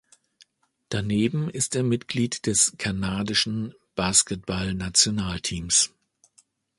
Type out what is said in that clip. Daneben ist er Mitglied des kanadischen Basketball-Nationalteams.